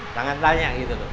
jangan tanya gitu